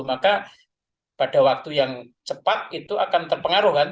maka pada waktu yang cepat itu akan terpengaruh kan